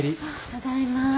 ただいま。